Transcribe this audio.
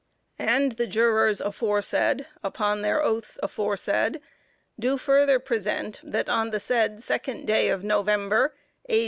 And the Jurors aforesaid, upon their oaths aforesaid, do further present that on the said second day of November, A.